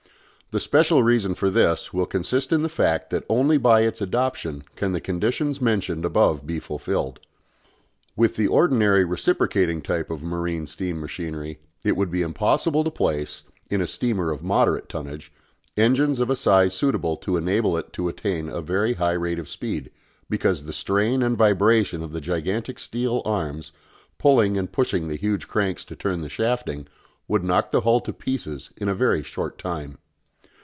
The special reason for this will consist in the fact that only by its adoption can the conditions mentioned above be fulfilled. With the ordinary reciprocating type of marine steam machinery it would be impossible to place, in a steamer of moderate tonnage, engines of a size suitable to enable it to attain a very high rate of speed, because the strain and vibration of the gigantic steel arms, pulling and pushing the huge cranks to turn the shafting, would knock the hull to pieces in a very short time.